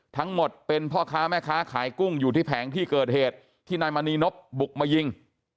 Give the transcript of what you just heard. ทั้งหมดเป็นพ่อค้าแม่ค้าขายกุ้งอยู่ที่แผงที่เกิดเหตุที่นายมณีนบบุกมายิง